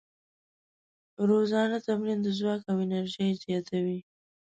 روزانه تمرین د ځواک او انرژۍ زیاتوي.